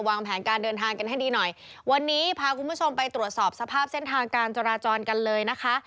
วางแผนการเดินทางกันให้ดีหน่อยวันนี้พาคุณผู้ชมไปตรวจสอบสภาพเส้นทางการจราจรกันเลยนะคะ